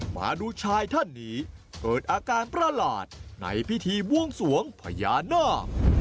มาดูชายท่านนี้เกิดอาการประหลาดในพิธีบวงสวงพญานาค